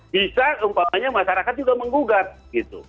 bisa umpamanya masyarakat juga menggugat gitu